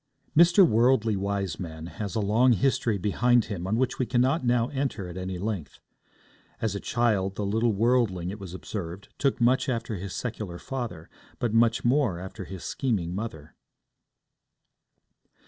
Mr. Worldly Wiseman has a long history behind him on which we cannot now enter at any length. As a child, the little worldling, it was observed, took much after his secular father, but much more after his scheming mother.